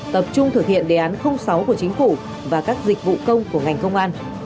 tập trung thực hiện đề án sáu của chính phủ và các dịch vụ công của ngành công an